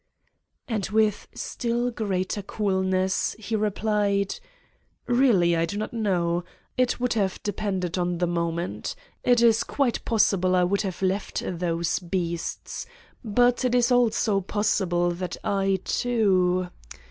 And with still greater coolness, he replied : "Keally, I do not know. It would have de pended on the moment. It is quite possible I would have left those beasts, but it is also pos sible that I too